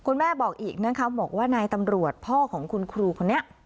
แม่บอกอีกนะคะบอกว่านายตำรวจพ่อของคุณครูคนนี้